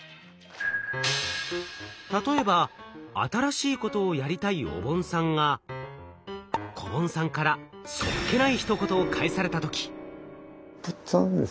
例えば新しいことをやりたいおぼんさんがこぼんさんからそっけないひと言を返された時。